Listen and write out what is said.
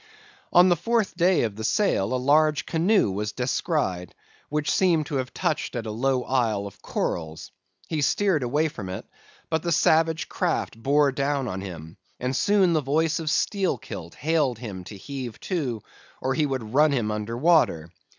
"On the fourth day of the sail, a large canoe was descried, which seemed to have touched at a low isle of corals. He steered away from it; but the savage craft bore down on him; and soon the voice of Steelkilt hailed him to heave to, or he would run him under water.